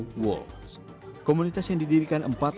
saya kenalkan dunia nyata